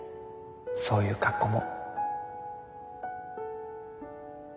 そういう格好も。